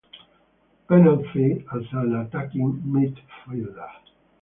Penafiel as an attacking midfielder.